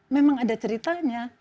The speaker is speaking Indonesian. memang ada ceritanya